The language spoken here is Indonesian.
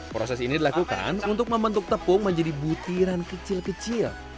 proses ini dilakukan untuk membentuk tepung menjadi butiran kecil kecil